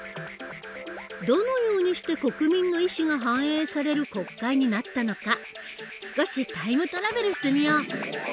どのようにして国民の意思が反映される国会になったのか少しタイムトラベルしてみよう！